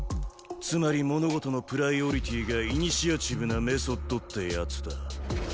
つまり物事のプライオリティがイニシアチブなメソッドってやつだ。